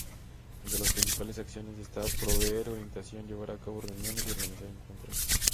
Entre sus principales acciones está proveer orientación, llevar a cabo reuniones y organizar encuentros.